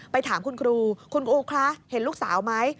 ถามคุณครูคุณครูคะเห็นลูกสาวไหม